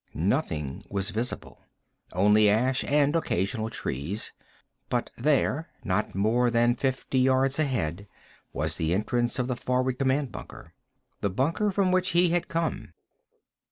Nothing was visible. Only ash and occasional trees. But there, not more than fifty yards ahead, was the entrance of the forward command bunker. The bunker from which he had come.